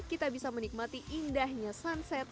kita bisa menikmati indahnya sunset